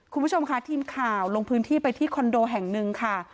คุณผู้ชมค่ะทีมข่าวลงพื้นที่ไปที่คอนโดแห่งหนึ่งค่ะ